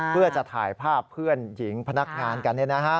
เพื่อจะถ่ายภาพเพื่อนหญิงพนักงานกัน